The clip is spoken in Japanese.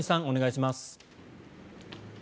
お願いします。